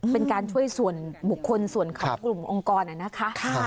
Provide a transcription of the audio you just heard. เป็นการช่วยส่วนบุคคลส่วนของกลุ่มองค์กรนะคะ